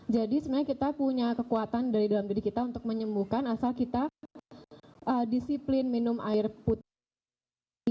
jadi sebenarnya kita punya kekuatan dari dalam diri kita untuk menyembuhkan asal kita disiplin minum air putih